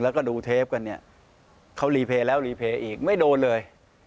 แล้วก็ดูเทปกันเนี่ยเขารีเพย์แล้วรีเพย์อีกไม่โดนเลย